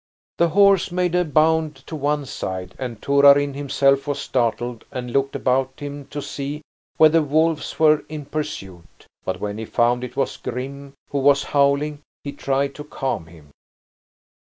The horse made a bound to one side, and Torarin himself was startled and looked about him to see whether wolves were in pursuit. But when he found it was Grim who was howling, he tried to calm him.